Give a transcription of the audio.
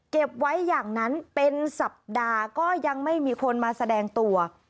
เก็บไว้อย่างนั้นเป็นสัปดาห์ก็ยังไม่มีคนมาแสดงตัว